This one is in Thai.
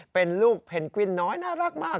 เป็นลูกเพนกวินน้อยน่ารักมาก